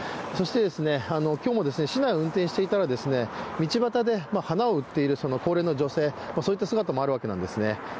そして今日も市内を運転していたら道ばたで花を売っている高齢の女性の姿もあるわけなんですね。